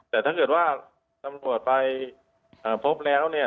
แต่ถ้าเกิดว่าตำรวจไปพบแล้วเนี่ย